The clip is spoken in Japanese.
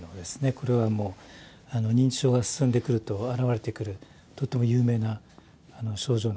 これはもう認知症が進んでくると現れてくるとっても有名な症状なんですけどね。